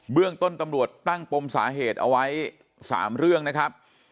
เรื่องต้นตำรวจตั้งปมสาเหตุเอาไว้๓เรื่องนะครับ